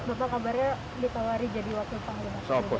bapak kabarnya ditawari jadi wakil panglima